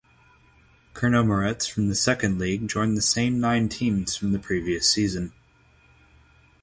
Chernomorets from the second league joined the same nine teams from the previous season.